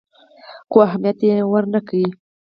خو اهميت دې ورنه کړ.